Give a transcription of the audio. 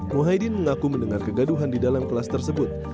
muhaydin mengaku mendengar kegaduhan di dalam kelas tersebut